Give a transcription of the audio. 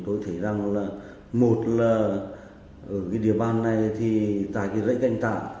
đối tượng gây án